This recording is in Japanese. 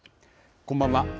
こんばんは。